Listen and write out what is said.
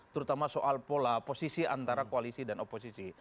terutama soal pola posisi antara koalisi dan oposisi